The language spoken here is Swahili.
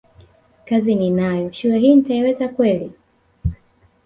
kazi ninayo shule hii nitaiweza kweli